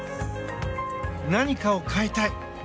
何かを変えたい。